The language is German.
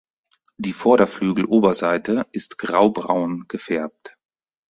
Die Vorderflügeloberseite ist graubraun gefärbt.